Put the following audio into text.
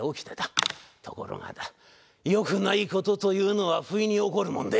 ところがだ良くない事というのは不意に起こるもんで。